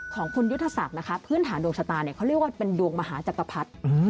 ของคุณยุทธศักดิ์นะคะพื้นฐานดวงชะตาเนี่ยเขาเรียกว่าเป็นดวงมหาจักรพรรดิ